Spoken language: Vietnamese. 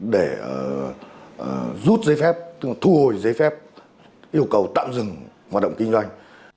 để rút giấy phép thu hồi giấy phép yêu cầu tạm dừng hoạt động kinh doanh